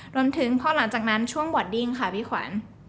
จนถึงพอหลังจากนั้นช่วงบอดดิ้งค่ะพี่ขวัญ